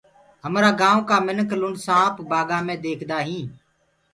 همرآ گآئونٚ ڪآ لِنڊ سآنپ بآگآنٚ مي ديکدآ هينٚ۔